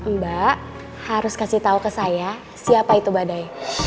mbak harus kasih tahu ke saya siapa itu badai